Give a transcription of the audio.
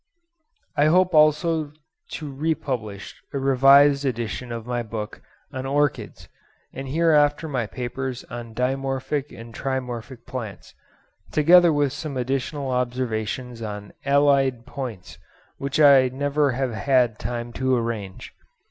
I hope also to republish a revised edition of my book on Orchids, and hereafter my papers on dimorphic and trimorphic plants, together with some additional observations on allied points which I never have had time to arrange.